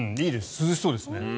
涼しそうですね。